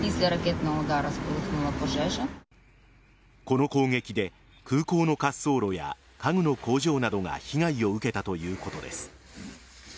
この攻撃で空港の滑走路や家具の工場などが被害を受けたということです。